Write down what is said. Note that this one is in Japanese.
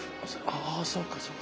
あそうかそうか。